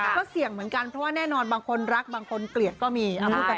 ก็เสี่ยงเหมือนกันเพราะว่าแน่นอนบางคนรักบางคนเกลียดก็มี